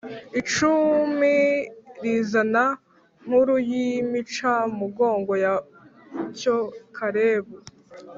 Icumi rizana inkuru y incamugongo ya cyo kalebu